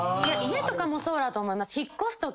家とかもそうだと思います。